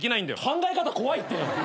考え方怖いって。